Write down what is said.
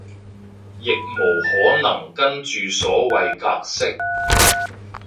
亦無可能跟住所謂格式